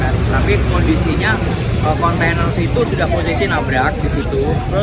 tapi kondisinya kontainer situ sudah posisi nabrak di situ